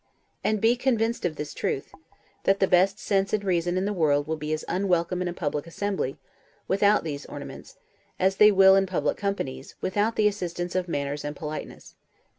And be convinced of this truth, that the best sense and reason in the world will be as unwelcome in a public assembly, without these ornaments, as they will in public companies, without the assistance of manners and politeness.